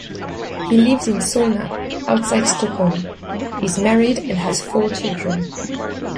He lives in Solna outside Stockholm, is married and has four children.